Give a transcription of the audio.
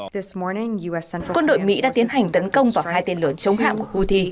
quân đội mỹ đã tiến hành tấn công vào hai tên lửa chống hạm của houthi